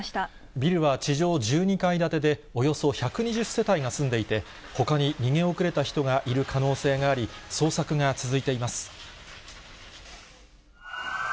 ビルは地上１２階建てで、およそ１２０世帯が住んでいて、ほかに逃げ遅れた人がいる可能性があり、捜索が続いています。